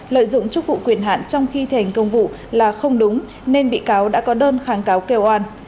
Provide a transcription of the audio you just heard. lợi dụng chức vụ quyền hạn trong khi thành công vụ là không đúng nên bị cáo đã có đơn kháng cáo kêu an